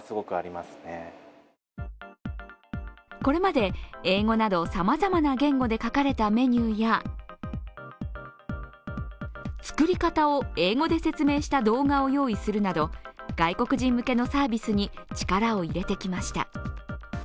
これまで、英語などさまざまな言語で書かれたメニューや作り方を英語で説明した動画を用意するなど外国人向けのサービスに力を入れてきました。